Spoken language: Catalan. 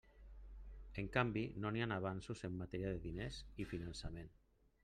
En canvi, no hi ha avanços en matèria de diners i finançament.